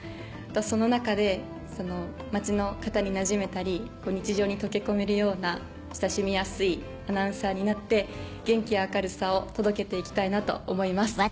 その中で街の方になじめたり日常に溶け込めるような親しみやすいアナウンサーになって元気や明るさを届けていきたいなと思います。